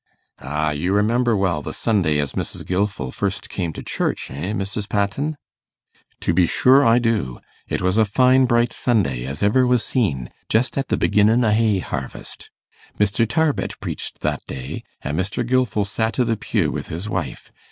'Ah, you remember well the Sunday as Mrs. Gilfil first come to church, eh, Mrs. Patten?' 'To be sure I do. It was a fine bright Sunday as ever was seen, just at the beginnin' o' hay harvest. Mr. Tarbett preached that day, and Mr. Gilfil sat i' the pew with his wife.